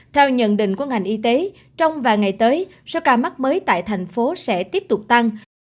theo nhận định của ngành y tế trong vài ngày tới số ca mắc mới tại thành phố sẽ tiếp tục tăng